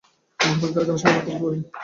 মা হঠাৎ কারো সঙ্গে আলাপ করিতে পারেন না।